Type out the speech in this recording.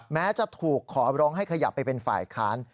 แม้จะถูกขอร้องให้ขยับไปเป็นฝ่ายค้าน